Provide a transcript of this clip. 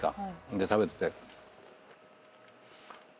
で食べてて。